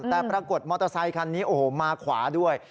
แต่ปรากฏมอเตอร์ไซค์คันนี้มาขวาด้วย